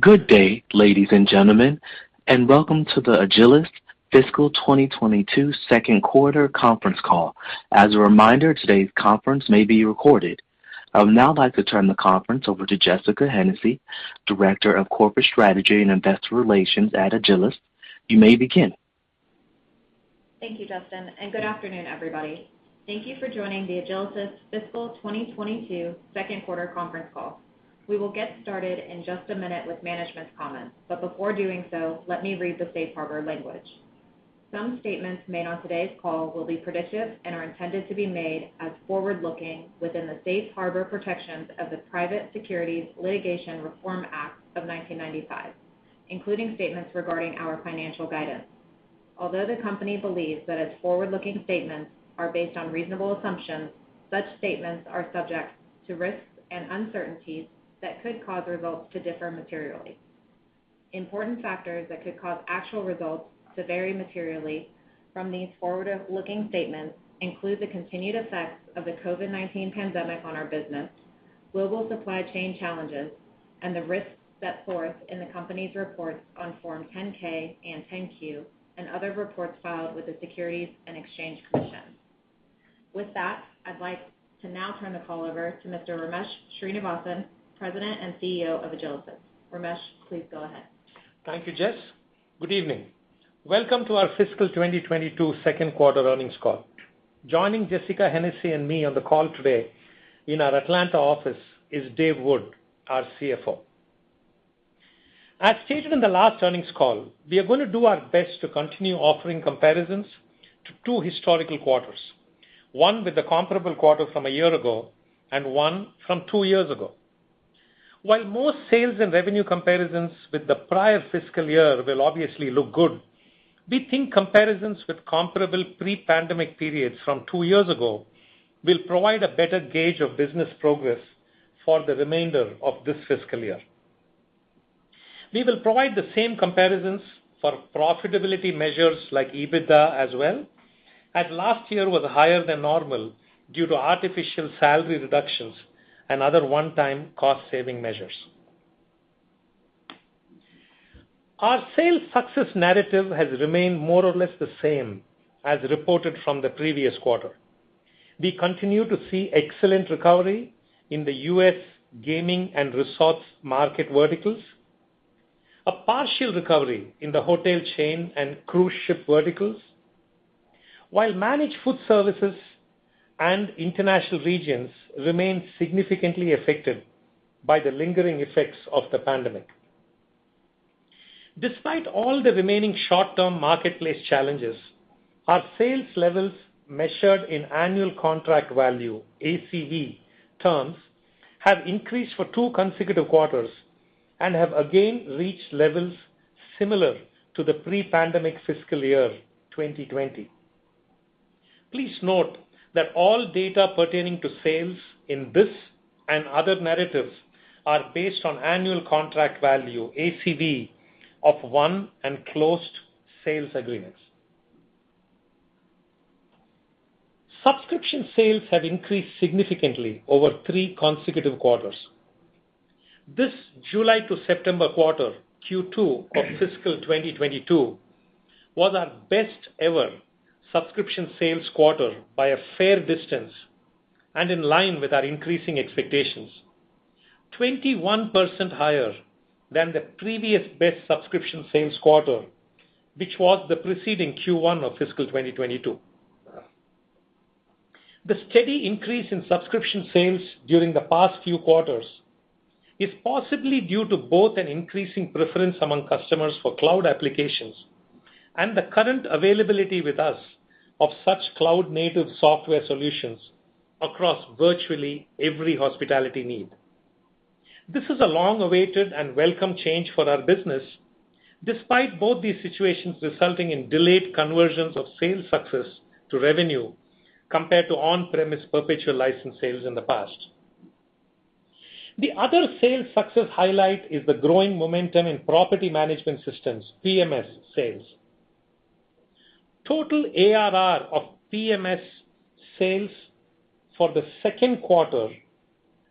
Good day, ladies and gentlemen, and welcome to the Agilysys fiscal 2022 second quarter conference call. As a reminder, today's conference may be recorded. I would now like to turn the conference over to Jessica Hennessy, Director of Corporate Strategy and Investor Relations at Agilysys. You may begin. Thank you, Justin, and good afternoon, everybody. Thank you for joining the Agilysys fiscal 2022 second quarter conference call. We will get started in just a minute with management's comments. Before doing so, let me read the safe harbor language. Some statements made on today's call will be predictive and are intended to be made as forward-looking within the safe harbor protections of the Private Securities Litigation Reform Act of 1995, including statements regarding our financial guidance. Although the company believes that its forward-looking statements are based on reasonable assumptions, such statements are subject to risks and uncertainties that could cause results to differ materially. Important factors that could cause actual results to vary materially from these forward-looking statements include the continued effects of the COVID-19 pandemic on our business, global supply chain challenges, and the risks set forth in the company's reports on Form 10-K and 10-Q and other reports filed with the Securities and Exchange Commission. With that, I'd like to now turn the call over to Mr. Ramesh Srinivasan, President and CEO of Agilysys. Ramesh, please go ahead. Thank you, Jess. Good evening. Welcome to our fiscal 2022 second quarter earnings call. Joining Jessica Hennessy and me on the call today in our Atlanta office is Dave Wood, our CFO. As stated in the last earnings call, we are going to do our best to continue offering comparisons to two historical quarters, one with the comparable quarter from a year ago and one from two years ago. While most sales and revenue comparisons with the prior fiscal year will obviously look good, we think comparisons with comparable pre-pandemic periods from two years ago will provide a better gauge of business progress for the remainder of this fiscal year. We will provide the same comparisons for profitability measures like EBITDA as well, as last year was higher than normal due to artificial salary reductions and other one-time cost-saving measures. Our sales success narrative has remained more or less the same as reported from the previous quarter. We continue to see excellent recovery in the U.S. gaming and resorts market verticals, a partial recovery in the hotel chain and cruise ship verticals, while managed food services and international regions remain significantly affected by the lingering effects of the pandemic. Despite all the remaining short-term marketplace challenges, our sales levels measured in annual contract value, ACV, terms have increased for two consecutive quarters and have again reached levels similar to the pre-pandemic fiscal year 2020. Please note that all data pertaining to sales in this and other narratives are based on annual contract value, ACV, of won and closed sales agreements. Subscription sales have increased significantly over three consecutive quarters. This July to September quarter, Q2 of fiscal 2022, was our best ever subscription sales quarter by a fair distance and in line with our increasing expectations, 21% higher than the previous best subscription sales quarter, which was the preceding Q1 of fiscal 2022. The steady increase in subscription sales during the past few quarters is possibly due to both an increasing preference among customers for cloud applications and the current availability with us of such cloud-native software solutions across virtually every hospitality need. This is a long-awaited and welcome change for our business, despite both these situations resulting in delayed conversions of sales success to revenue compared to on-premise perpetual license sales in the past. The other sales success highlight is the growing momentum in property management systems, PMS sales. Total ARR of PMS sales for the second quarter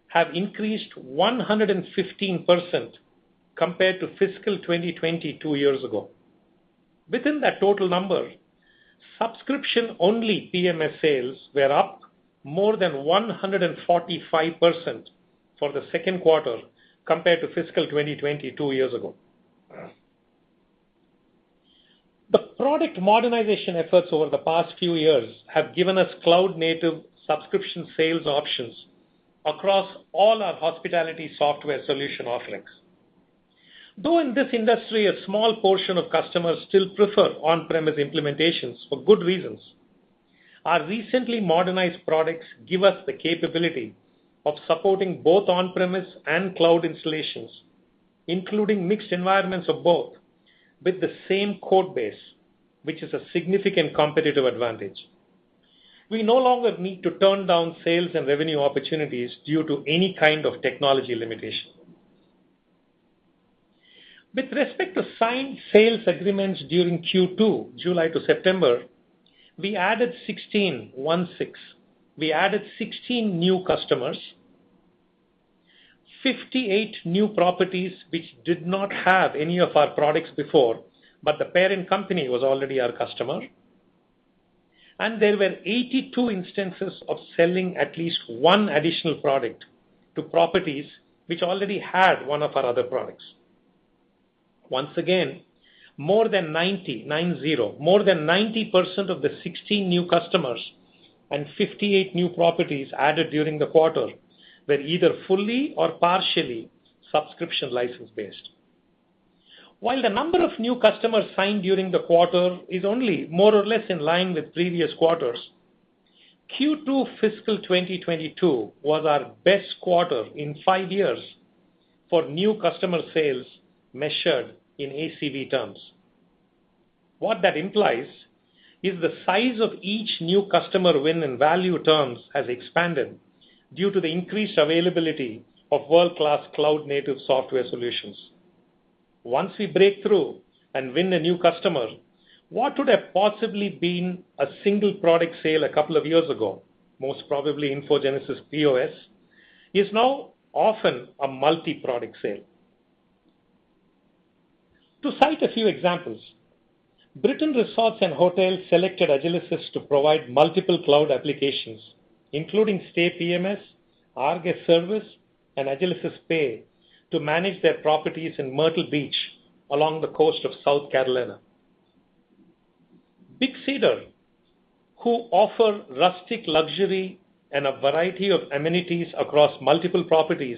have increased 115% compared to fiscal 2022 years ago. Within that total number, subscription-only PMS sales were up more than 145% for the second quarter compared to fiscal 2022 years ago. The product modernization efforts over the past few years have given us cloud-native subscription sales options across all our hospitality software solution offerings. Though in this industry, a small portion of customers still prefer on-premise implementations for good reasons, our recently modernized products give us the capability of supporting both on-premise and cloud installations, including mixed environments of both, with the same code base, which is a significant competitive advantage. We no longer need to turn down sales and revenue opportunities due to any kind of technology limitation. With respect to signed sales agreements during Q2, July to September, we added 16. We added 16 new customers, 58 new properties which did not have any of our products before, but the parent company was already our customer. There were 82 instances of selling at least one additional product to properties which already had one of our other products. Once again, more than 90% of the 16 new customers and 58 new properties added during the quarter were either fully or partially subscription license-based. While the number of new customers signed during the quarter is only more or less in line with previous quarters, Q2 fiscal 2022 was our best quarter in five years for new customer sales measured in ACV terms. What that implies is the size of each new customer win in value terms has expanded due to the increased availability of world-class cloud-native software solutions. Once we break through and win a new customer, what would have possibly been a single product sale a couple of years ago, most probably InfoGenesis POS, is now often a multi-product sale. To cite a few examples, Brittain Resorts & Hotels selected Agilysys to provide multiple cloud applications, including Stay PMS, rGuest Service, and Agilysys Pay, to manage their properties in Myrtle Beach along the coast of South Carolina. Big Cedar Lodge, who offer rustic luxury and a variety of amenities across multiple properties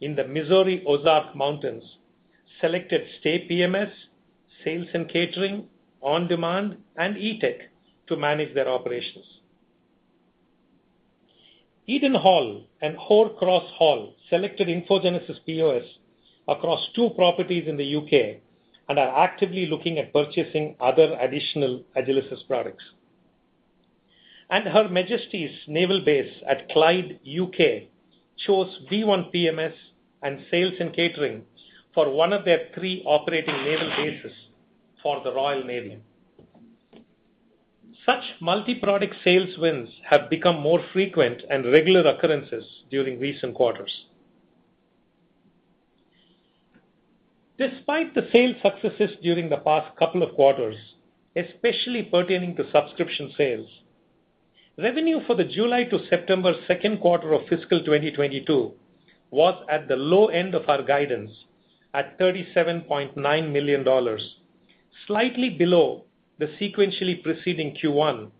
in the Missouri Ozark Mountains, selected Stay PMS, Sales & Catering, rGuest OnDemand, and Eatec to manage their operations. Eden Hall and Hoar Cross Hall selected InfoGenesis POS across two properties in the U.K. and are actively looking at purchasing other additional Agilysys products. Her Majesty's Naval Base, Clyde, U.K., chose Visual One PMS and Sales & Catering for one of their three operating naval bases for the Royal Navy. Such multi-product sales wins have become more frequent and regular occurrences during recent quarters. Despite the sales successes during the past couple of quarters, especially pertaining to subscription sales, revenue for the July to September second quarter of fiscal 2022 was at the low end of our guidance at $37.9 million. Slightly below the sequentially preceding Q1,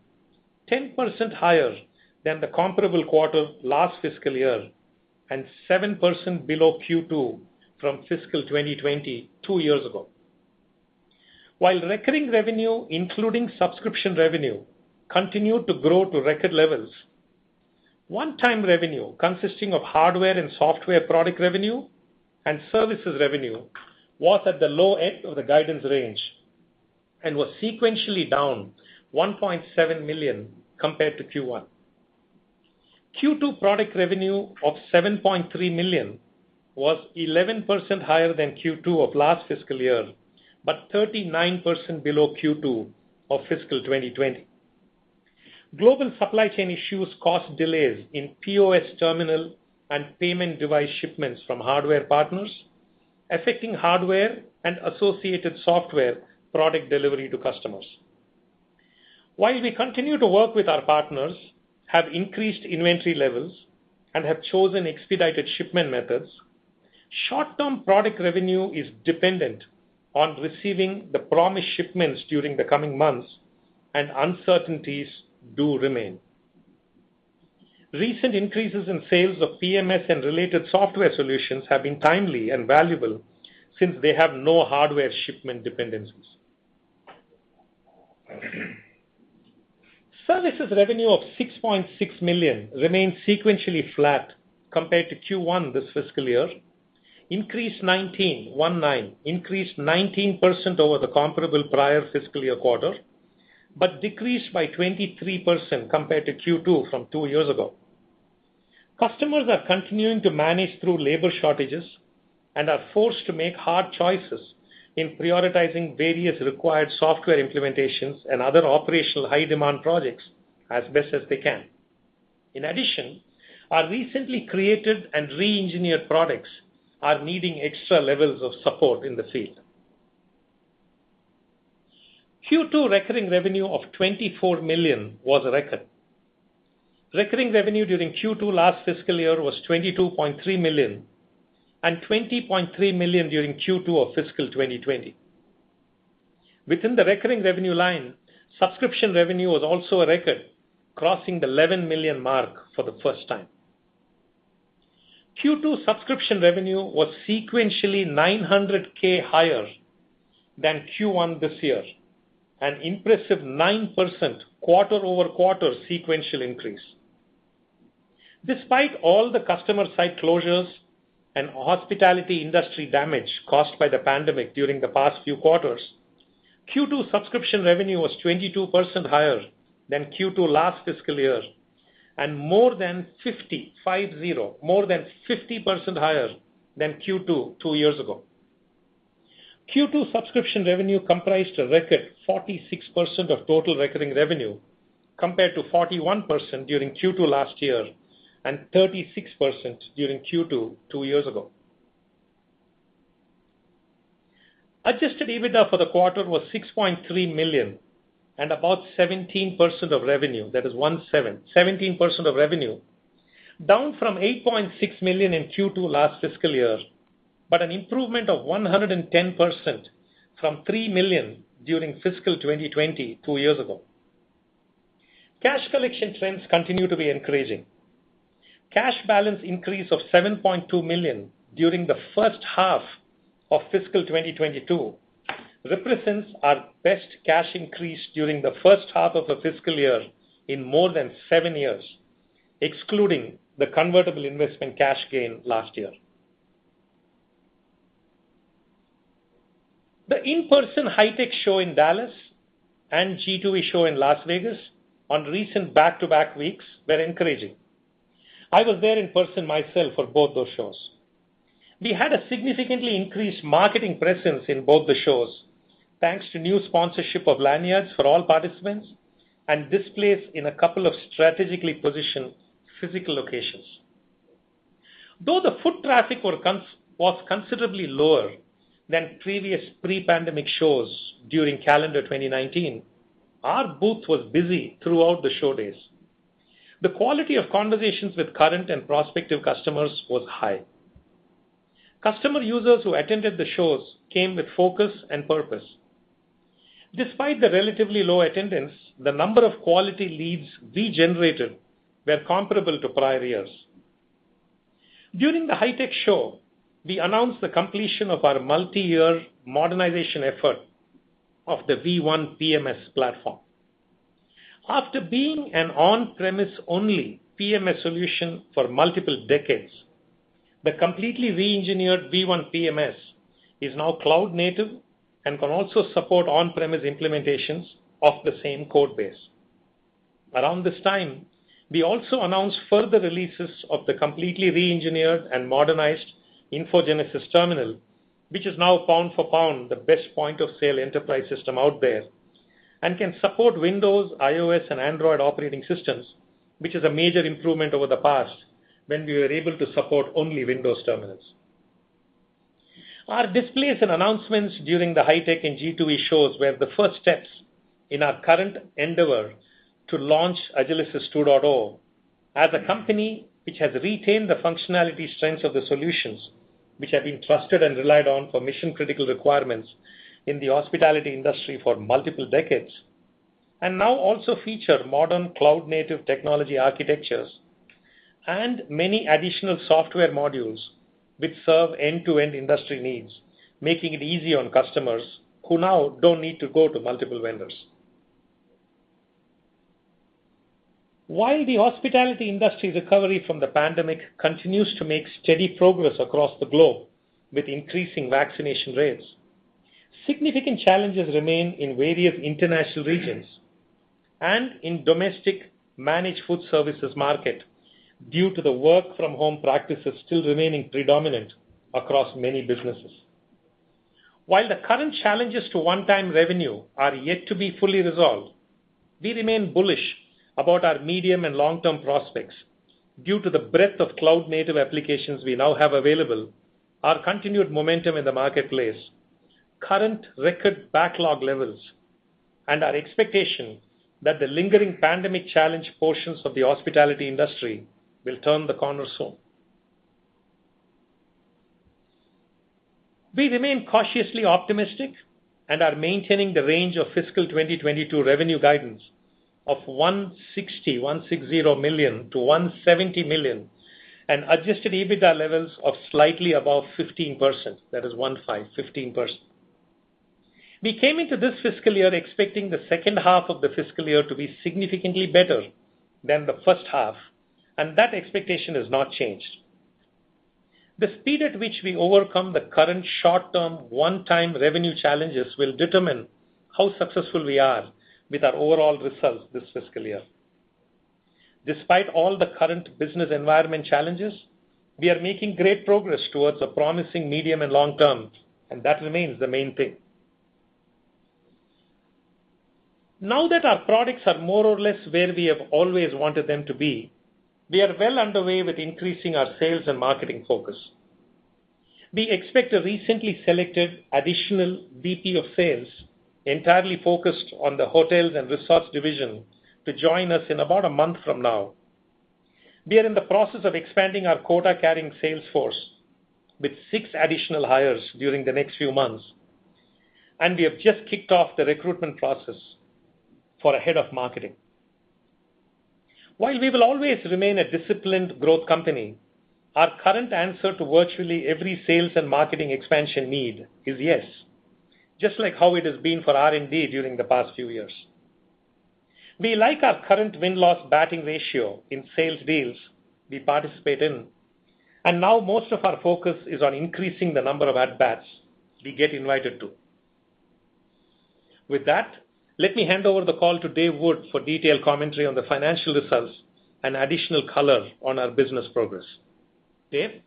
10% higher than the comparable quarter last fiscal year, and 7% below Q2 from fiscal 2020 two years ago. While recurring revenue, including subscription revenue, continued to grow to record levels, one-time revenue consisting of hardware and software product revenue and services revenue was at the low end of the guidance range and was sequentially down $1.7 million compared to Q1. Q2 product revenue of $7.3 million was 11% higher than Q2 of last fiscal year, but 39% below Q2 of fiscal 2020. Global supply chain issues caused delays in POS terminal and payment device shipments from hardware partners, affecting hardware and associated software product delivery to customers. While we continue to work with our partners, have increased inventory levels, and have chosen expedited shipment methods, short-term product revenue is dependent on receiving the promised shipments during the coming months, and uncertainties do remain. Recent increases in sales of PMS and related software solutions have been timely and valuable since they have no hardware shipment dependencies. Services revenue of $6.6 million remains sequentially flat compared to Q1 this fiscal year, increased 19% over the comparable prior fiscal year quarter, but decreased by 23% compared to Q2 from two years ago. Customers are continuing to manage through labor shortages and are forced to make hard choices in prioritizing various required software implementations and other operational high-demand projects as best as they can. In addition, our recently created and re-engineered products are needing extra levels of support in the field. Q2 recurring revenue of $24 million was a record. Recurring revenue during Q2 last fiscal year was $22.3 million and $20.3 million during Q2 of fiscal 2020. Within the recurring revenue line, subscription revenue was also a record, crossing the $11 million mark for the first time. Q2 subscription revenue was sequentially $900,000 higher than Q1 this year, an impressive 9% quarter-over-quarter sequential increase. Despite all the customer site closures and hospitality industry damage caused by the pandemic during the past few quarters. Q2 subscription revenue was 22% higher than Q2 last fiscal year, and more than 50% higher than Q2 two years ago. Q2 subscription revenue comprised a record 46% of total recurring revenue, compared to 41% during Q2 last year, and 36% during Q2 two years ago. Adjusted EBITDA for the quarter was $6.3 million and about 17% of revenue. That is 17% of revenue. Down from $8.6 million in Q2 last fiscal year, but an improvement of 110% from $3 million during fiscal 2022 years ago. Cash collection trends continue to be encouraging. Cash balance increase of $7.2 million during the first half of fiscal 2022 represents our best cash increase during the first half of the fiscal year in more than seven years, excluding the convertible investment cash gain last year. The in-person HITEC show in Dallas and G2E show in Las Vegas on recent back-to-back weeks were encouraging. I was there in person myself for both those shows. We had a significantly increased marketing presence in both the shows, thanks to new sponsorship of lanyards for all participants and displays in a couple of strategically positioned physical locations. Though the foot traffic was considerably lower than previous pre-pandemic shows during calendar 2019, our booth was busy throughout the show days. The quality of conversations with current and prospective customers was high. Customer users who attended the shows came with focus and purpose. Despite the relatively low attendance, the number of quality leads we generated were comparable to prior years. During the HITEC show, we announced the completion of our multi-year modernization effort of the Visual One PMS platform. After being an on-premise only PMS solution for multiple decades, the completely re-engineered Visual One PMS is now cloud native and can also support on-premise implementations of the same code base. Around this time, we also announced further releases of the completely re-engineered and modernized InfoGenesis Terminal, which is now pound for pound, the best point of sale enterprise system out there, and can support Windows, iOS, and Android operating systems, which is a major improvement over the past, when we were able to support only Windows terminals. Our displays and announcements during the HITEC and G2E shows were the first steps in our current endeavor to launch Agilysys 2.0 as a company which has retained the functionality strengths of the solutions, which have been trusted and relied on for mission-critical requirements in the hospitality industry for multiple decades. Now also feature modern cloud-native technology architectures and many additional software modules which serve end-to-end industry needs, making it easy on customers who now don't need to go to multiple vendors. While the hospitality industry's recovery from the pandemic continues to make steady progress across the globe with increasing vaccination rates, significant challenges remain in various international regions and in domestic managed food services market due to the work-from-home practices still remaining predominant across many businesses. While the current challenges to one-time revenue are yet to be fully resolved, we remain bullish about our medium and long-term prospects due to the breadth of cloud-native applications we now have available, our continued momentum in the marketplace, current record backlog levels, and our expectation that the lingering pandemic-challenged portions of the hospitality industry will turn the corner soon. We remain cautiously optimistic and are maintaining the range of fiscal 2022 revenue guidance of $160 million-$170 million and adjusted EBITDA levels of slightly above 15%. That is 15%. We came into this fiscal year expecting the second half of the fiscal year to be significantly better than the first half, and that expectation has not changed. The speed at which we overcome the current short-term one-time revenue challenges will determine how successful we are with our overall results this fiscal year. Despite all the current business environment challenges, we are making great progress towards a promising medium and long term, and that remains the main thing. Now that our products are more or less where we have always wanted them to be, we are well underway with increasing our sales and marketing focus. We expect a recently selected additional VP of sales, entirely focused on the hotels and resorts division, to join us in about a month from now. We are in the process of expanding our quota-carrying sales force with six additional hires during the next few months, and we have just kicked off the recruitment process for a head of marketing. While we will always remain a disciplined growth company, our current answer to virtually every sales and marketing expansion need is yes, just like how it has been for R&D during the past few years. We like our current win-loss batting ratio in sales deals we participate in, and now most of our focus is on increasing the number of at BATS we get invited to. With that, let me hand over the call to Dave Wood for detailed commentary on the financial results and additional color on our business progress. Dave?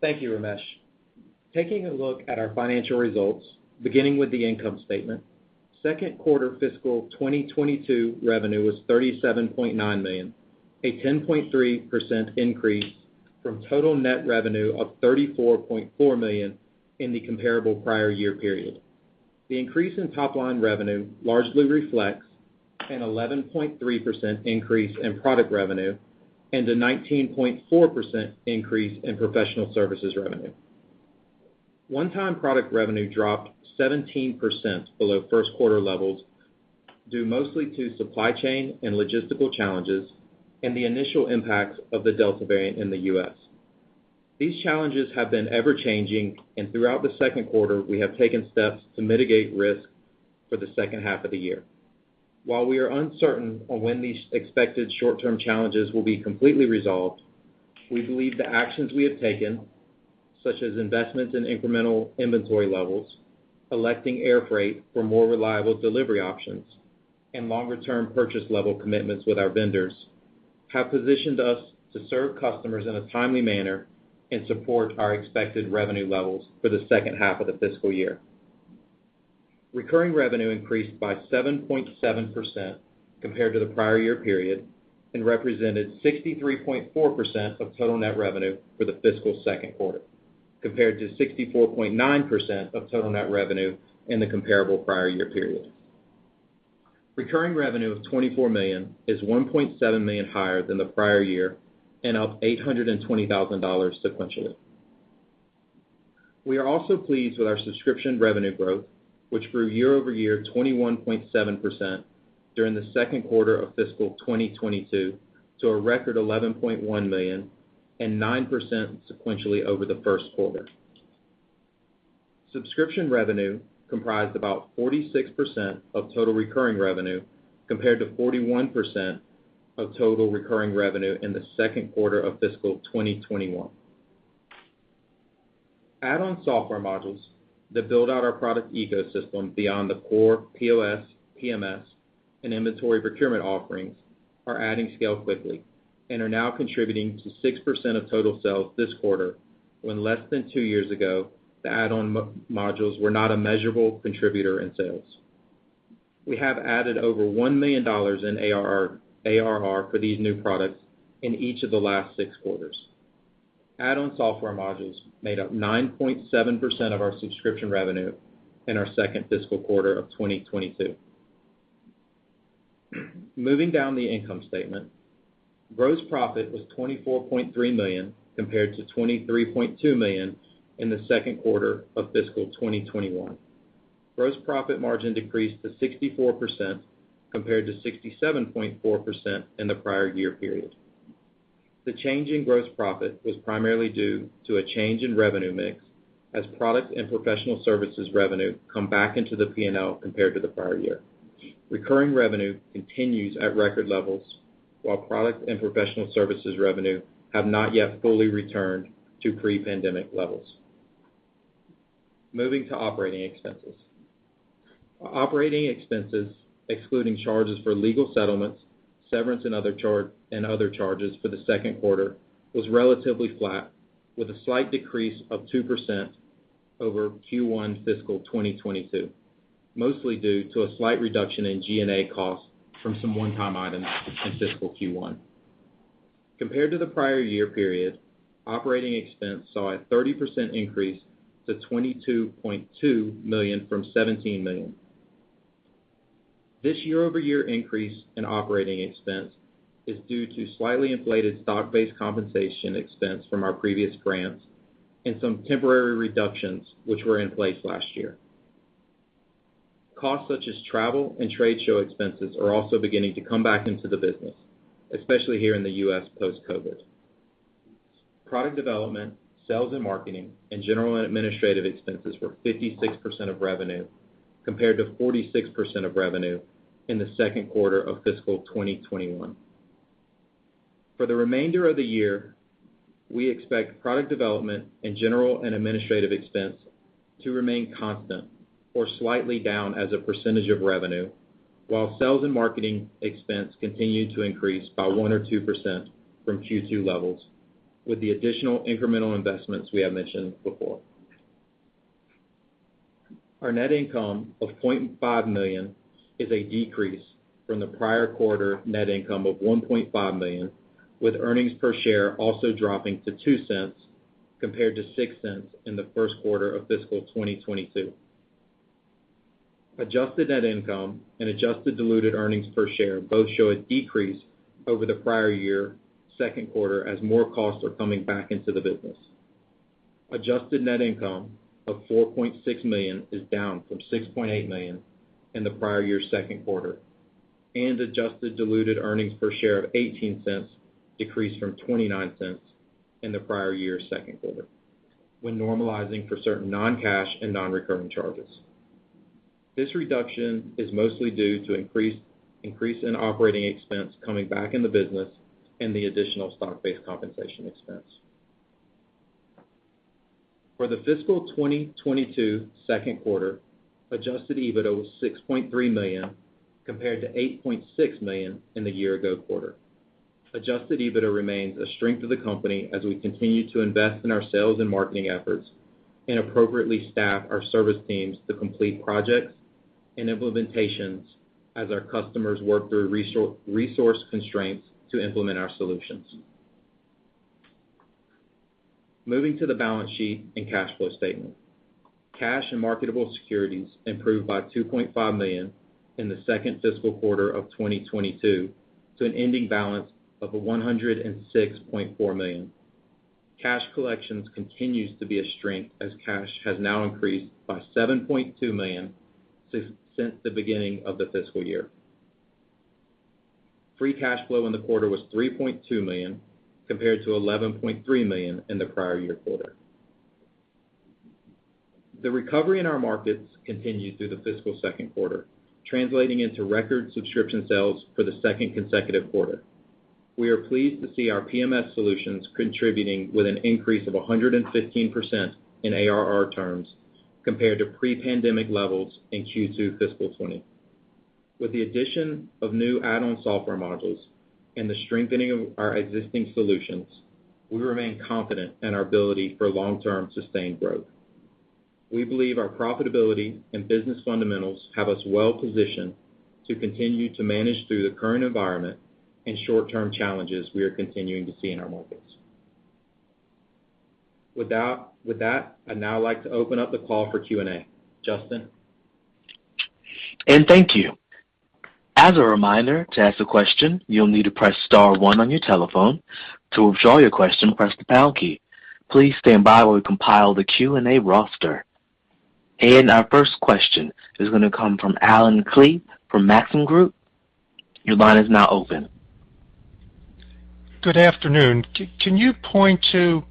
Thank you, Ramesh. Taking a look at our financial results, beginning with the income statement, second quarter fiscal 2022 revenue was $37.9 million, a 10.3% increase from total net revenue of $34.4 million in the comparable prior year period. The increase in top line revenue largely reflects an 11.3% increase in product revenue and a 19.4% increase in professional services revenue. One-time product revenue dropped 17% below first quarter levels due mostly to supply chain and logistical challenges, and the initial impact of the Delta variant in the U.S. These challenges have been ever-changing, and throughout the second quarter, we have taken steps to mitigate risk for the second half of the year. While we are uncertain on when these expected short-term challenges will be completely resolved, we believe the actions we have taken, such as investments in incremental inventory levels, electing air freight for more reliable delivery options, and longer-term purchase level commitments with our vendors, have positioned us to serve customers in a timely manner and support our expected revenue levels for the second half of the fiscal year. Recurring revenue increased by 7.7% compared to the prior year period and represented 63.4% of total net revenue for the fiscal second quarter, compared to 64.9% of total net revenue in the comparable prior year period. Recurring revenue of $24 million is $1.7 million higher than the prior year and up $820,000 sequentially. We are also pleased with our subscription revenue growth, which grew year-over-year 21.7% during the second quarter of fiscal 2022 to a record $11.1 million and 9% sequentially over the first quarter. Subscription revenue comprised about 46% of total recurring revenue, compared to 41% of total recurring revenue in the second quarter of fiscal 2021. Add-on software modules that build out our product ecosystem beyond the core POS, PMS, and inventory procurement offerings are adding scale quickly and are now contributing to 6% of total sales this quarter, when less than two years ago, the add-on modules were not a measurable contributor in sales. We have added over $1 million in ARR for these new products in each of the last six quarters. Add-on software modules made up 9.7% of our subscription revenue in our second fiscal quarter of 2022. Moving down the income statement. Gross profit was $24.3 million, compared to $23.2 million in the second quarter of fiscal 2021. Gross profit margin decreased to 64%, compared to 67.4% in the prior year period. The change in gross profit was primarily due to a change in revenue mix as product and professional services revenue come back into the P&L compared to the prior year. Recurring revenue continues at record levels, while product and professional services revenue have not yet fully returned to pre-pandemic levels. Moving to operating expenses. Operating expenses, excluding charges for legal settlements, severance, and other charges for the second quarter, was relatively flat, with a slight decrease of 2% over Q1 fiscal 2022, mostly due to a slight reduction in G&A costs from some one-time items in fiscal Q1. Compared to the prior year period, operating expense saw a 30% increase to $22.2 million from $17 million. This year-over-year increase in operating expense is due to slightly inflated stock-based compensation expense from our previous grants and some temporary reductions which were in place last year. Costs such as travel and trade show expenses are also beginning to come back into the business, especially here in the U.S. post-COVID. Product development, sales and marketing, and general and administrative expenses were 56% of revenue, compared to 46% of revenue in the second quarter of fiscal 2021. For the remainder of the year, we expect product development and general and administrative expense to remain constant or slightly down as a percentage of revenue, while sales and marketing expense continue to increase by 1% or 2% from Q2 levels with the additional incremental investments we have mentioned before. Our net income of $0.5 million is a decrease from the prior quarter net income of $1.5 million, with earnings per share also dropping to $0.02 compared to $0.06 in the first quarter of fiscal 2022. Adjusted net income and adjusted diluted earnings per share both show a decrease over the prior-year second quarter as more costs are coming back into the business. Adjusted net income of $4.6 million is down from $6.8 million in the prior year's second quarter, and adjusted diluted earnings per share of $0.18 decreased from $0.29 in the prior year's second quarter, when normalizing for certain non-cash and non-recurring charges. This reduction is mostly due to increase in operating expense coming back in the business and the additional stock-based compensation expense. For the fiscal 2022 second quarter, adjusted EBITDA was $6.3 million compared to $8.6 million in the year ago quarter. Adjusted EBITDA remains a strength of the company as we continue to invest in our sales and marketing efforts and appropriately staff our service teams to complete projects and implementations as our customers work through resource constraints to implement our solutions. Moving to the balance sheet and cash flow statement. Cash and marketable securities improved by $2.5 million in the second fiscal quarter of 2022 to an ending balance of $106.4 million. Cash collections continues to be a strength as cash has now increased by $7.2 million since the beginning of the fiscal year. Free cash flow in the quarter was $3.2 million compared to $11.3 million in the prior year quarter. The recovery in our markets continued through the fiscal second quarter, translating into record subscription sales for the second consecutive quarter. We are pleased to see our PMS solutions contributing with an increase of 115% in ARR terms compared to pre-pandemic levels in Q2 fiscal 2020. With the addition of new add-on software modules and the strengthening of our existing solutions, we remain confident in our ability for long-term sustained growth. We believe our profitability and business fundamentals have us well positioned to continue to manage through the current environment and short-term challenges we are continuing to see in our markets. With that, I'd now like to open up the call for Q&A. Justin? Thank you. As a reminder, to ask a question, you'll need to press star one on your telephone. To withdraw your question, press the pound key. Please stand by while we compile the Q&A roster. Our first question is gonna come from Allen Klee from Maxim Group. Your line is now open. Good afternoon. Can you point to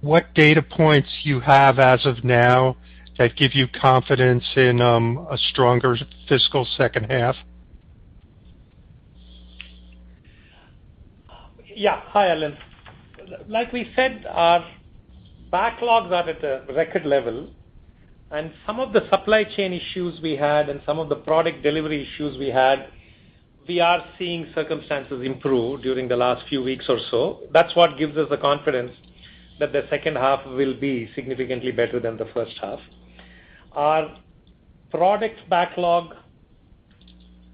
what data points you have as of now that give you confidence in a stronger fiscal second half? Yeah. Hi, Allen. Like we said, our backlogs are at a record level, and some of the supply chain issues we had and some of the product delivery issues we had, we are seeing circumstances improve during the last few weeks or so. That's what gives us the confidence that the second half will be significantly better than the first half. Our product backlog,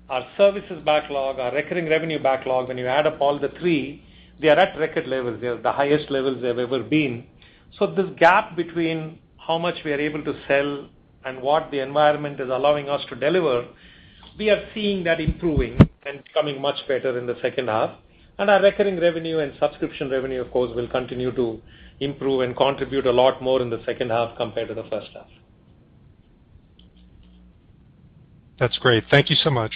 our services backlog, our recurring revenue backlog, when you add up all the three, they are at record levels. They are the highest levels they've ever been. This gap between how much we are able to sell and what the environment is allowing us to deliver, we are seeing that improving and becoming much better in the second half. Our recurring revenue and subscription revenue, of course, will continue to improve and contribute a lot more in the second half compared to the first half. That's great. Thank you so much.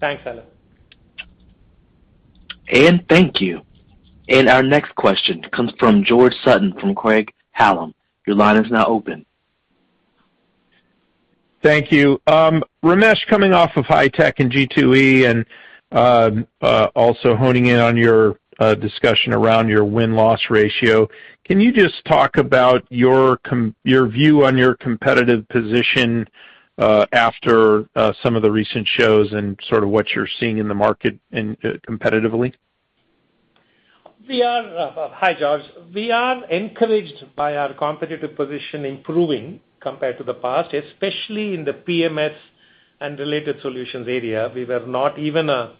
Thanks, Allen. Thank you. Our next question comes from George Sutton from Craig-Hallum. Your line is now open. Thank you. Ramesh, coming off of HITEC and G2E and also honing in on your discussion around your win-loss ratio, can you just talk about your view on your competitive position after some of the recent shows and sort of what you're seeing in the market and competitively? Hi, George. We are encouraged by our competitive position improving compared to the past, especially in the PMS and related solutions area. We were not even a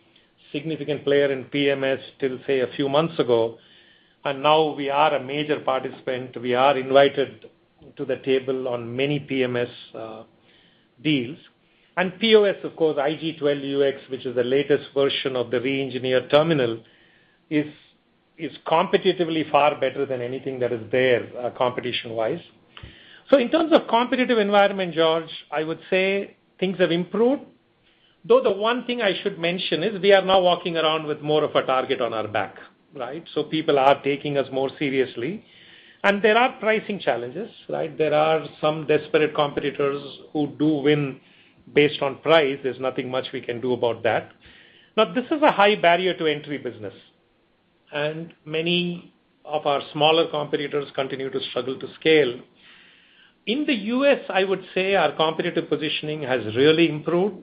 significant player in PMS till, say, a few months ago, and now we are a major participant. We are invited to the table on many PMS deals. POS, of course, IG 12UX, which is the latest version of the reengineered terminal, is competitively far better than anything that is there competition-wise. In terms of competitive environment, George, I would say things have improved, though the one thing I should mention is we are now walking around with more of a target on our back, right? People are taking us more seriously. There are pricing challenges, right? There are some desperate competitors who do win based on price. There's nothing much we can do about that. This is a high barrier to entry business, and many of our smaller competitors continue to struggle to scale. In the U.S., I would say our competitive positioning has really improved,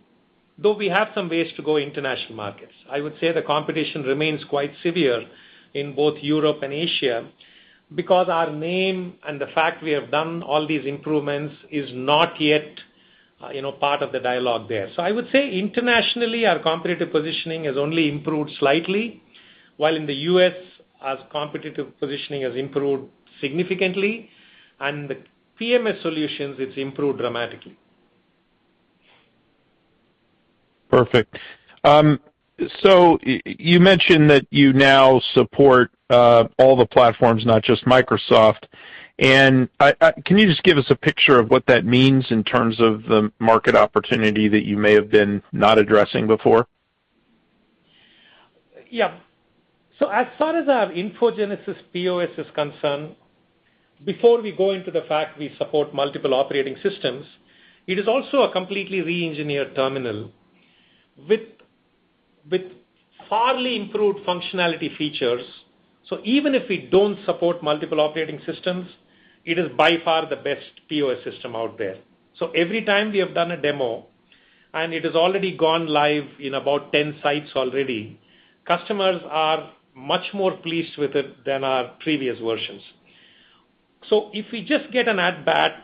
though we have some ways to go in international markets. I would say the competition remains quite severe in both Europe and Asia because our name and the fact we have done all these improvements is not yet, you know, part of the dialogue there. I would say internationally, our competitive positioning has only improved slightly, while in the U.S., our competitive positioning has improved significantly, and the PMS solutions, it's improved dramatically. Perfect. You mentioned that you now support all the platforms, not just Microsoft. Can you just give us a picture of what that means in terms of the market opportunity that you may have been not addressing before? Yeah. As far as our InfoGenesis POS is concerned, before we go into the fact we support multiple operating systems, it is also a completely re-engineered terminal with highly improved functionality features. Even if we don't support multiple operating systems, it is by far the best POS system out there. Every time we have done a demo, and it has already gone live in about 10 sites, customers are much more pleased with it than our previous versions. If we just get an at BAT,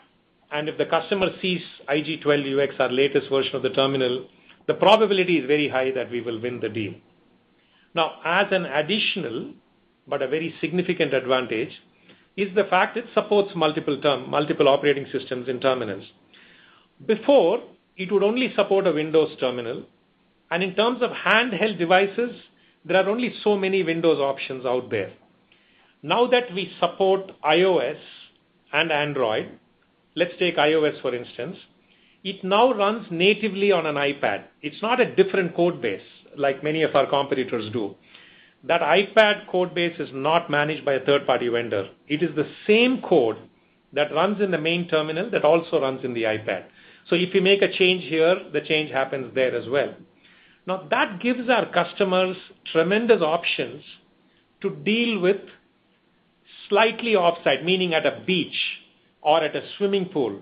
and if the customer sees IG 12UX, our latest version of the terminal, the probability is very high that we will win the deal. Now, as an additional but a very significant advantage is the fact it supports multiple operating systems in terminals. Before, it would only support a Windows terminal, and in terms of handheld devices, there are only so many Windows options out there. Now that we support iOS and Android, let's take iOS for instance, it now runs natively on an iPad. It's not a different code base like many of our competitors do. That iPad code base is not managed by a third-party vendor. It is the same code that runs in the main terminal that also runs in the iPad. So if you make a change here, the change happens there as well. Now, that gives our customers tremendous options to deal with slightly off-site, meaning at a beach or at a swimming pool.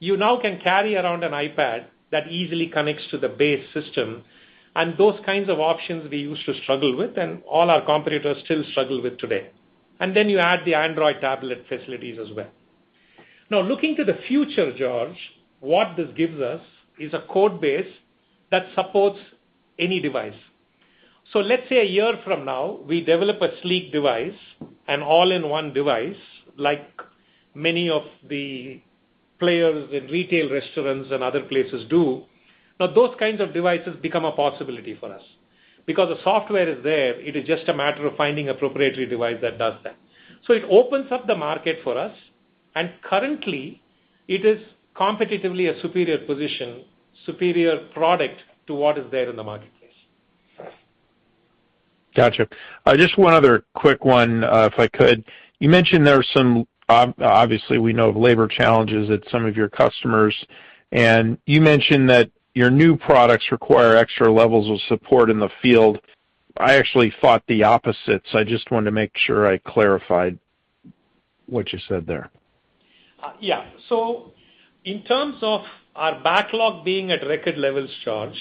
You now can carry around an iPad that easily connects to the base system, and those kinds of options we used to struggle with and all our competitors still struggle with today. You add the Android tablet facilities as well. Now looking to the future, George, what this gives us is a code base that supports any device. Let's say a year from now, we develop a sleek device, an all-in-one device, like many of the players in retail restaurants and other places do. Now, those kinds of devices become a possibility for us. Because the software is there, it is just a matter of finding appropriate device that does that. It opens up the market for us, and currently, it is competitively a superior position, superior product to what is there in the marketplace. Gotcha. Just one other quick one, if I could. You mentioned there are some obviously, we know of labor challenges at some of your customers, and you mentioned that your new products require extra levels of support in the field. I actually thought the opposite, so I just wanted to make sure I clarified what you said there. Yeah. In terms of our backlog being at record levels, George,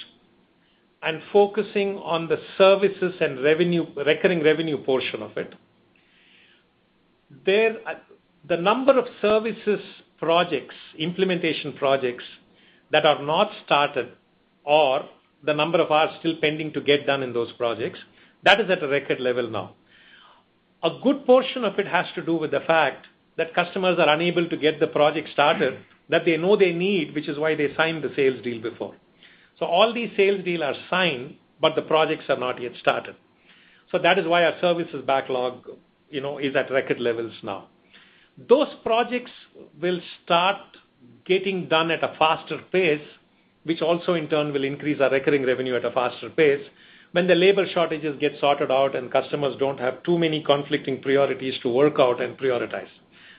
and focusing on the services and revenue, recurring revenue portion of it. The number of services projects, implementation projects that have not started or the number of hours still pending to get done in those projects, that is at a record level now. A good portion of it has to do with the fact that customers are unable to get the project started, that they know they need, which is why they signed the sales deal before. All these sales deal are signed, but the projects are not yet started. That is why our services backlog, you know, is at record levels now. Those projects will start getting done at a faster pace, which also in turn will increase our recurring revenue at a faster pace when the labor shortages get sorted out and customers don't have too many conflicting priorities to work out and prioritize.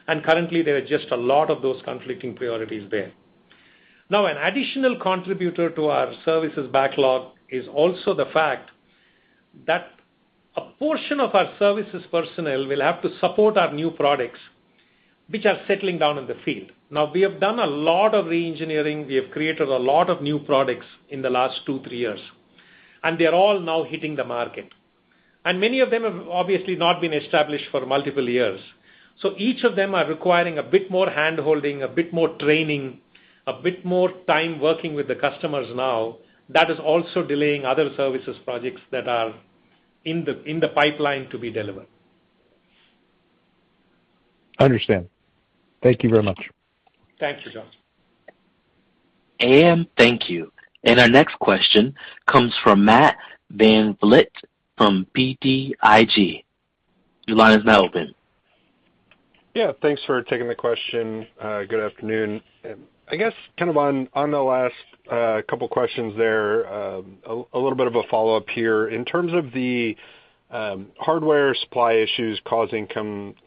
Currently, there are just a lot of those conflicting priorities there. Now, an additional contributor to our services backlog is also the fact that a portion of our services personnel will have to support our new products, which are settling down in the field. Now, we have done a lot of reengineering, we have created a lot of new products in the last two, three years, and they are all now hitting the market. Many of them have obviously not been established for multiple years. Each of them are requiring a bit more hand-holding, a bit more training, a bit more time working with the customers now. That is also delaying other services projects that are in the pipeline to be delivered. Understood. Thank you very much. Thanks, George. AM, thank you. Our next question comes from Matt VanVliet from BTIG. Your line is now open. Yeah, thanks for taking the question. Good afternoon. I guess kind of on the last couple questions there, a little bit of a follow-up here. In terms of the hardware supply issues causing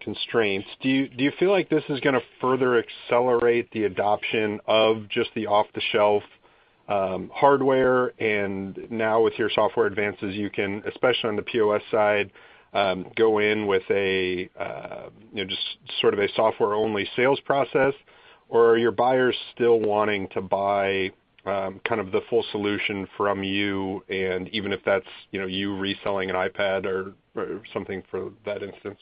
constraints, do you feel like this is gonna further accelerate the adoption of just the off-the-shelf hardware and now with your software advances, you can, especially on the POS side, go in with a you know, just sort of a software-only sales process? Or are your buyers still wanting to buy kind of the full solution from you and even if that's, you know, you reselling an iPad or something for that instance?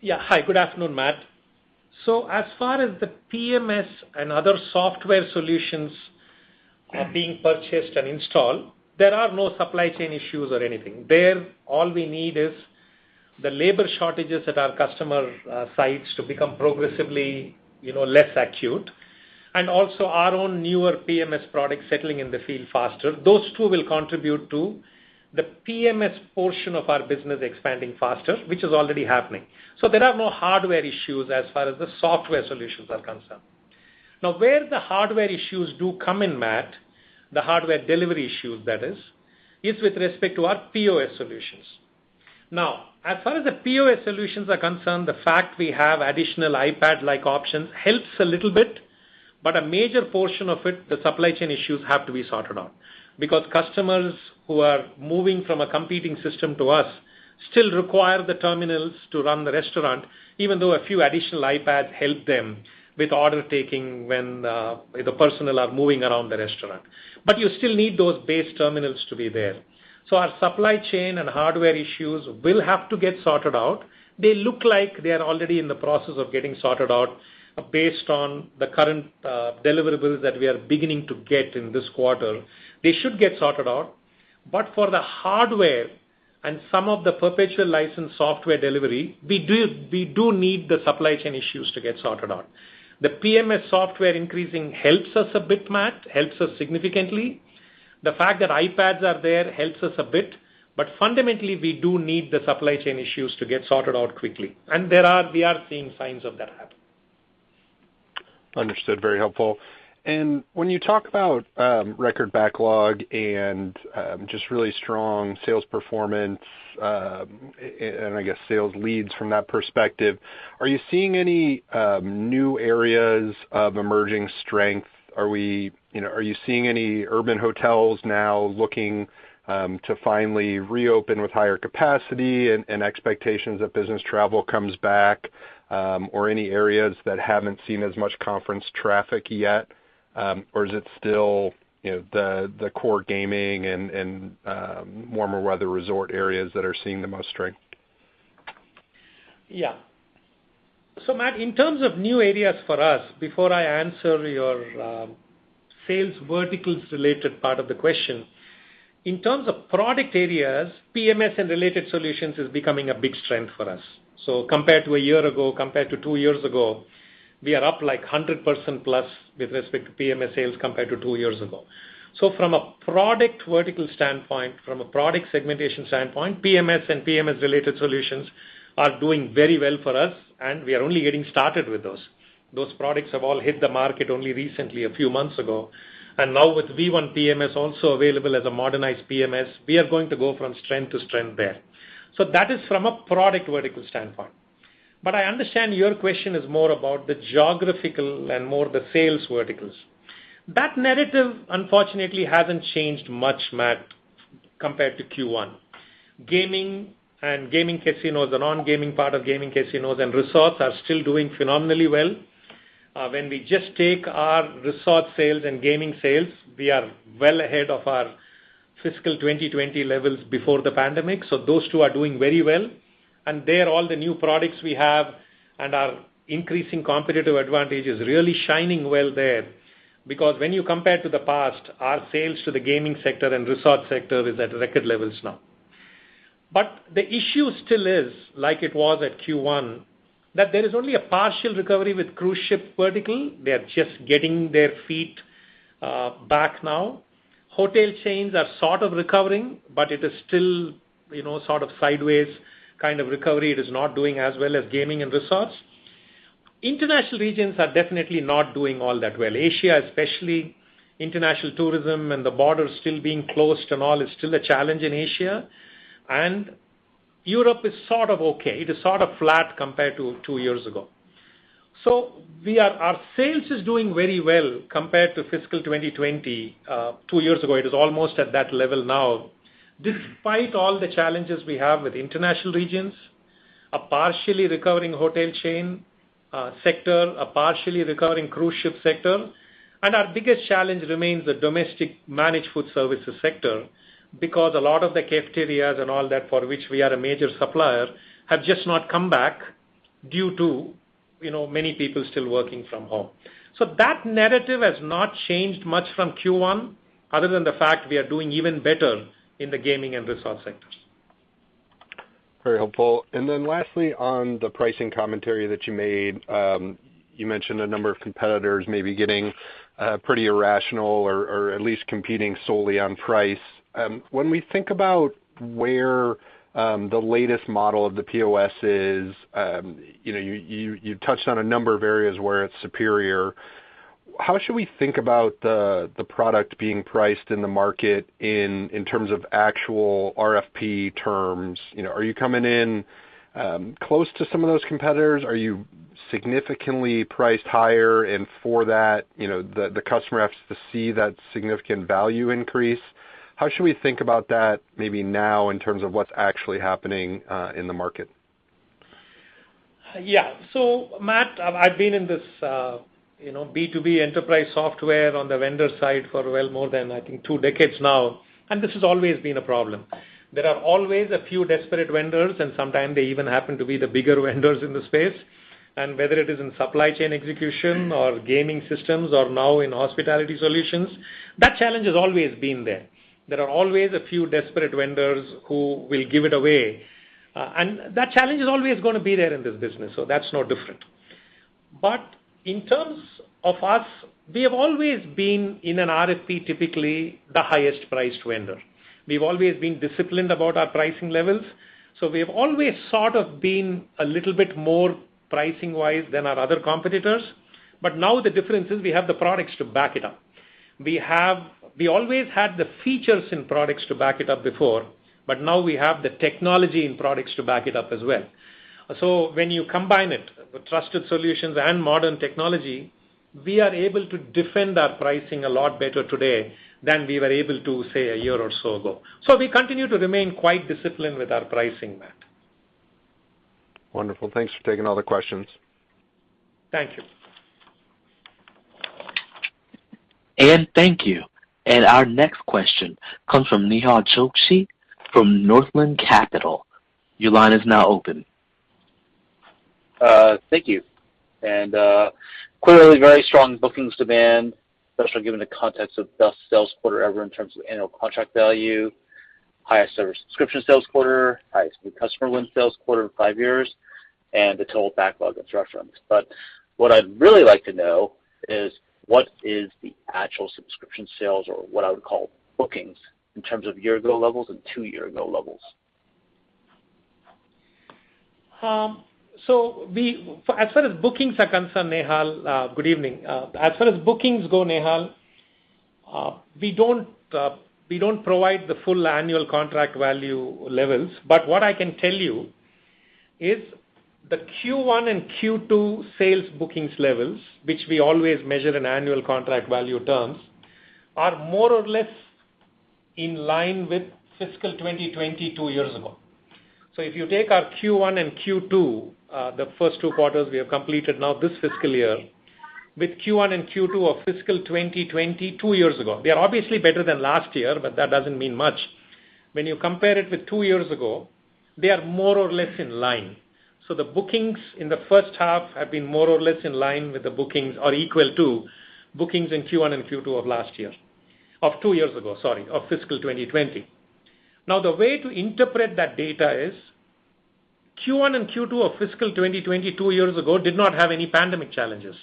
Yeah. Hi, good afternoon, Matt. As far as the PMS and other software solutions are being purchased and installed, there are no supply chain issues or anything. There, all we need is the labor shortages at our customer sites to become progressively, you know, less acute, and also our own newer PMS products settling in the field faster. Those two will contribute to the PMS portion of our business expanding faster, which is already happening. There are no hardware issues as far as the software solutions are concerned. Now, where the hardware issues do come in, Matt, the hardware delivery issues, that is, with respect to our POS solutions. Now, as far as the POS solutions are concerned, the fact we have additional iPad-like options helps a little bit, but a major portion of it, the supply chain issues have to be sorted out because customers who are moving from a competing system to us still require the terminals to run the restaurant, even though a few additional iPads help them with order taking when the personnel are moving around the restaurant. You still need those base terminals to be there. Our supply chain and hardware issues will have to get sorted out. They look like they are already in the process of getting sorted out based on the current deliverables that we are beginning to get in this quarter. They should get sorted out. For the hardware and some of the perpetual license software delivery, we do need the supply chain issues to get sorted out. The PMS software increasing helps us a bit, Matt, helps us significantly. The fact that iPads are there helps us a bit. Fundamentally, we do need the supply chain issues to get sorted out quickly. We are seeing signs of that happening. Understood. Very helpful. When you talk about record backlog and just really strong sales performance, and I guess sales leads from that perspective, are you seeing any new areas of emerging strength? You know, are you seeing any urban hotels now looking to finally reopen with higher capacity and expectations that business travel comes back, or any areas that haven't seen as much conference traffic yet? Or is it still, you know, the core gaming and warmer weather resort areas that are seeing the most strength? Yeah. Matt, in terms of new areas for us, before I answer your sales verticals related part of the question, in terms of product areas, PMS and related solutions is becoming a big strength for us. Compared to a year ago, compared to two years ago, we are up like 100%+ with respect to PMS sales compared to two years ago. From a product vertical standpoint, from a product segmentation standpoint, PMS and PMS-related solutions are doing very well for us, and we are only getting started with those. Those products have all hit the market only recently, a few months ago. Now with V1 PMS also available as a modernized PMS, we are going to go from strength to strength there. That is from a product vertical standpoint. I understand your question is more about the geographical and more the sales verticals. That narrative, unfortunately, hasn't changed much, Matt, compared to Q1. Gaming and gaming casinos, the non-gaming part of gaming casinos and resorts are still doing phenomenally well. When we just take our resort sales and gaming sales, we are well ahead of our fiscal 2020 levels before the pandemic. Those two are doing very well. There, all the new products we have and our increasing competitive advantage is really shining well there. Because when you compare to the past, our sales to the gaming sector and resort sector is at record levels now. The issue still is, like it was at Q1, that there is only a partial recovery with cruise ship vertical. They are just getting their feet back now. Hotel chains are sort of recovering, but it is still, you know, sort of sideways kind of recovery. It is not doing as well as gaming and resorts. International regions are definitely not doing all that well. Asia, especially, international tourism and the border still being closed and all is still a challenge in Asia. Europe is sort of okay. It is sort of flat compared to two years ago. Our sales is doing very well compared to fiscal 2020, two years ago. It is almost at that level now, despite all the challenges we have with international regions, a partially recovering hotel chain sector, a partially recovering cruise ship sector. Our biggest challenge remains the domestic managed food services sector, because a lot of the cafeterias and all that for which we are a major supplier have just not come back due to, you know, many people still working from home. That narrative has not changed much from Q1, other than the fact we are doing even better in the gaming and resort sectors. Very helpful. Lastly, on the pricing commentary that you made, you mentioned a number of competitors maybe getting pretty irrational or at least competing solely on price. When we think about where the latest model of the POS is, you know, you touched on a number of areas where it's superior. How should we think about the product being priced in the market in terms of actual RFP terms? You know, are you coming in close to some of those competitors? Are you significantly priced higher, and for that, you know, the customer has to see that significant value increase? How should we think about that maybe now in terms of what's actually happening in the market? Yeah. Matt, I've been in this, you know, B2B enterprise software on the vendor side for well more than, I think, two decades now, and this has always been a problem. There are always a few desperate vendors, and sometimes they even happen to be the bigger vendors in the space. Whether it is in supply chain execution or gaming systems or now in hospitality solutions, that challenge has always been there. There are always a few desperate vendors who will give it away, and that challenge is always gonna be there in this business, so that's no different. In terms of us, we have always been, in an RFP, typically the highest priced vendor. We've always been disciplined about our pricing levels, so we have always sort of been a little bit more pricing-wise than our other competitors. Now the difference is we have the products to back it up. We always had the features and products to back it up before, but now we have the technology and products to back it up as well. When you combine it, the trusted solutions and modern technology, we are able to defend our pricing a lot better today than we were able to, say, a year or so ago. We continue to remain quite disciplined with our pricing, Matt. Wonderful. Thanks for taking all the questions. Thank you. Thank you. Our next question comes from Nehal Chokshi from Northland Capital. Your line is now open. Thank you. Clearly very strong bookings demand, especially given the context of best sales quarter ever in terms of annual contract value, highest service subscription sales quarter, highest new customer win sales quarter in five years, and the total backlog and structure on this. What I'd really like to know is what is the actual subscription sales or what I would call bookings in terms of year-ago levels and two-year-ago levels? As far as bookings go, Nehal, we don't provide the full annual contract value levels. What I can tell you is the Q1 and Q2 sales bookings levels, which we always measure in annual contract value terms, are more or less in line with fiscal 2020 two years ago. If you take our Q1 and Q2, the first two quarters we have completed now this fiscal year, with Q1 and Q2 of fiscal 2020 two years ago, they are obviously better than last year, but that doesn't mean much. When you compare it with two years ago, they are more or less in line. The bookings in the first half have been more or less in line with bookings in Q1 and Q2 of two years ago, sorry, of fiscal 2020. Now, the way to interpret that data is Q1 and Q2 of fiscal 2020 two years ago did not have any pandemic challenges,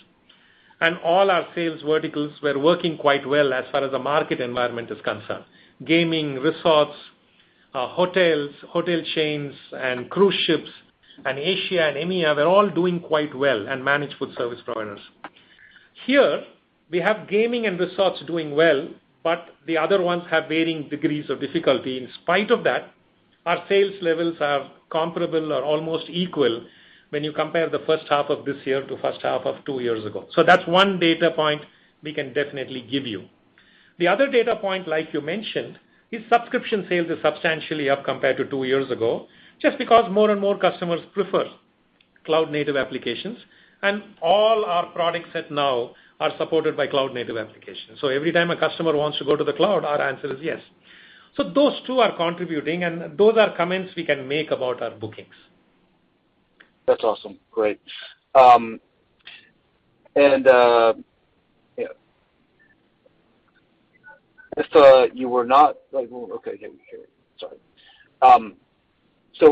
and all our sales verticals were working quite well as far as the market environment is concerned. Gaming, resorts, hotels, hotel chains and cruise ships and Asia and EMEA were all doing quite well, and managed food service providers. Here we have gaming and resorts doing well, but the other ones have varying degrees of difficulty. In spite of that, our sales levels are comparable or almost equal when you compare the first half of this year to first half of two years ago. That's one data point we can definitely give you. The other data point, like you mentioned, is subscription sales is substantially up compared to two years ago, just because more and more customers prefer cloud-native applications, and all our products set now are supported by cloud-native applications. Every time a customer wants to go to the cloud, our answer is yes. Those two are contributing, and those are comments we can make about our bookings. That's awesome. Great. Yeah.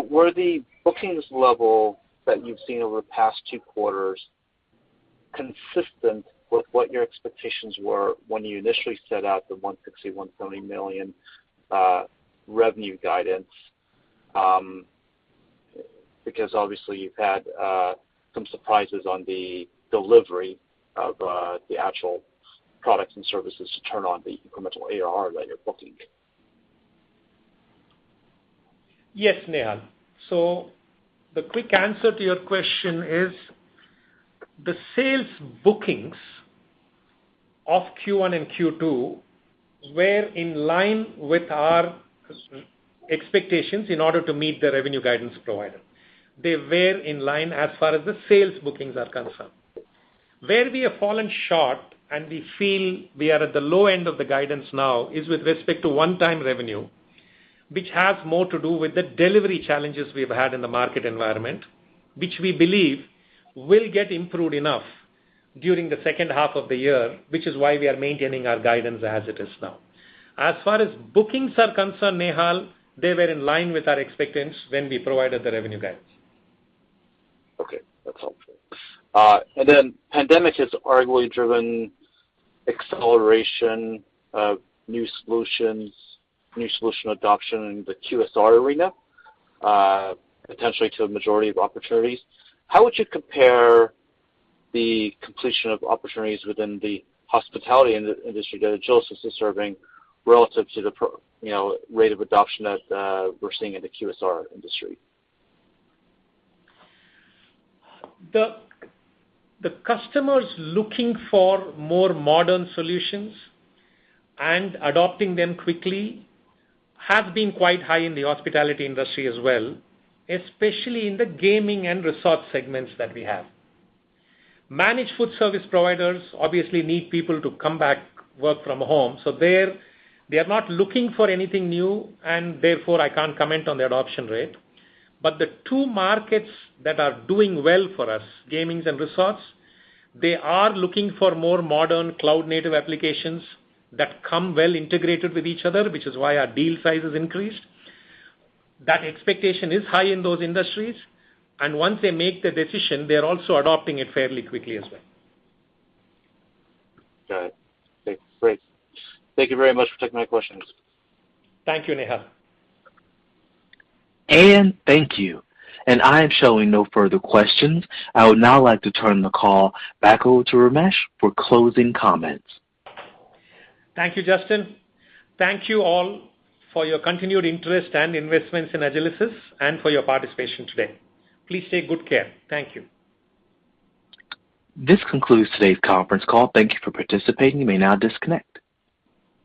Were the bookings level that you've seen over the past two quarters consistent with what your expectations were when you initially set out the $160 million, $120 million revenue guidance? Because obviously you've had some surprises on the delivery of the actual products and services to turn on the incremental ARR that you're booking. Yes, Nehal. The quick answer to your question is the sales bookings of Q1 and Q2 were in line with our expectations in order to meet the revenue guidance provided. They were in line as far as the sales bookings are concerned. Where we have fallen short and we feel we are at the low end of the guidance now is with respect to one-time revenue, which has more to do with the delivery challenges we've had in the market environment, which we believe will get improved enough during the second half of the year, which is why we are maintaining our guidance as it is now. As far as bookings are concerned, Nehal, they were in line with our expectations when we provided the revenue guidance. Okay, that's helpful. Pandemic has arguably driven acceleration of new solutions, new solution adoption in the QSR arena, potentially to a majority of opportunities. How would you compare the completion of opportunities within the hospitality industry that Agilysys is serving relative to the prior, you know, rate of adoption that we're seeing in the QSR industry? The customers looking for more modern solutions and adopting them quickly has been quite high in the hospitality industry as well, especially in the gaming and resort segments that we have. Managed food service providers obviously need people to come back to work from home, so they are not looking for anything new and therefore I can't comment on the adoption rate. The two markets that are doing well for us, gaming and resorts, they are looking for more modern cloud-native applications that come well integrated with each other, which is why our deal size has increased. That expectation is high in those industries, and once they make the decision, they're also adopting it fairly quickly as well. Got it. Okay, great. Thank you very much for taking my questions. Thank you, Nehal. Thank you. I am showing no further questions. I would now like to turn the call back over to Ramesh for closing comments. Thank you, Justin. Thank you all for your continued interest and investments in Agilysys and for your participation today. Please take good care. Thank you. This concludes today's conference call. Thank you for participating. You may now disconnect.